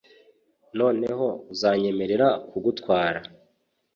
noneho uzanyemerera kugutwara